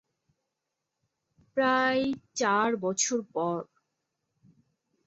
প্রায় চার বছর পর।